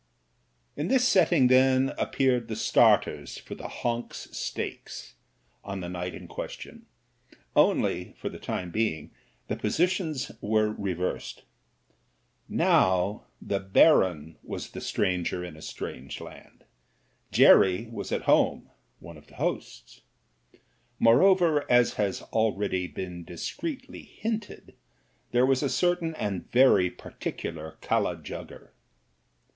In this setting, then, appeared the starters for the Honks stakes on the night in question, only, for the time being, the positions were reversed. Now the Baron was the stranger in a strange land ; Jerry was at home— one of the hosts. Moreover, as has already been discreetly hinted, there was a certain and very particular kala jugger.